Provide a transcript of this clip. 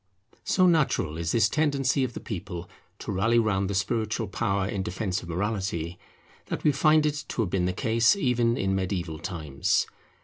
So natural is this tendency of the people to rally round the spiritual power in defence of morality, that we find it to have been the case even in mediaeval times.